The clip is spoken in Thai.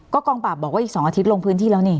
กองปราบบอกว่าอีก๒อาทิตย์ลงพื้นที่แล้วนี่